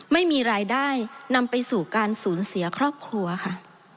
ไม่มีรายได้นำไปสู่การสูญเสียครอบครัวค่ะ